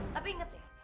tapi inget ya